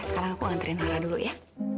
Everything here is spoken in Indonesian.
sekarang aku nganterin lara dulu ya